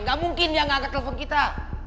gak mungkin dia ngangkat telepon kita